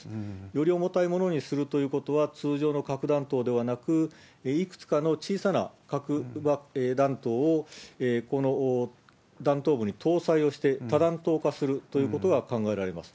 より重たいものにするということは、通常の核弾頭ではなく、いくつかの小さな核弾頭を、この弾頭部に搭載をして多弾頭化するということは考えられます。